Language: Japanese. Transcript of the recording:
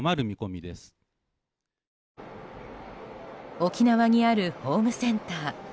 沖縄にあるホームセンター。